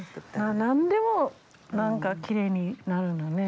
何でもきれいになるのね。